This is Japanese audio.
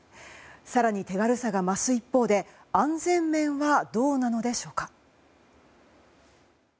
更に手軽さが増す一方で安全面はどうなのでしょうか。